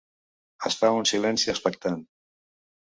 Es fa un silenci expectant.